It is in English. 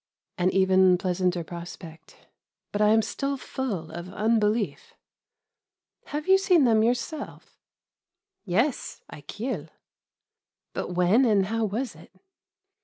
An even pleasanter prospect, but I am still full of unbelief. "Have you seen them yourself?" "Yes, I kill." "But when and how was it?"